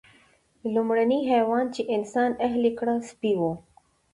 لومړنی حیوان چې انسان اهلي کړ سپی و.